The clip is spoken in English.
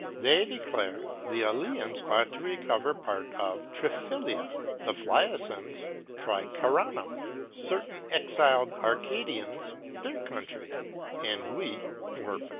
They declare, the El^ans ought to recover Part of Triphylia ; the Phliafians Tricaranum ; certain exiled Arcadians their Country, and we Oropus.